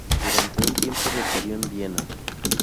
Durante un tiempo residió en Viena.